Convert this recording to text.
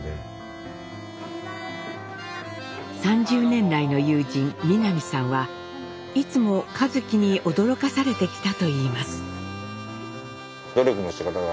３０年来の友人南さんはいつも一輝に驚かされてきたといいます。